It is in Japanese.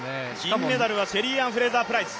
金メダルはシェリーアン・フレイザー・プライス。